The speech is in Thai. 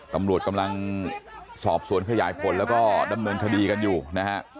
ตำรวจกำลังสอบสวนขยายผลแล้วก็ดำเนินคดีกันอยู่นะฮะ